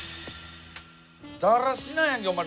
だらしないやんけお前。